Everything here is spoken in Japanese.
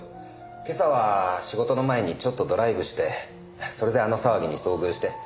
今朝は仕事の前にちょっとドライブしてそれであの騒ぎに遭遇して。